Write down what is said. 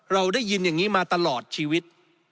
เราได้ยินอย่างนี้มาตลอดชีวิต